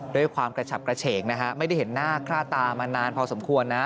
ด้วยความกระฉับกระเฉกนะฮะไม่ได้เห็นหน้าค่าตามานานพอสมควรนะ